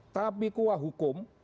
tapi kuah hukum